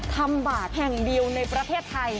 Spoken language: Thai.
ทำบากแห่งเดียวในประเทศไทย